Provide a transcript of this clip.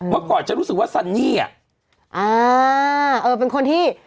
เมื่อก่อนฉันรู้สึกว่าซันนี่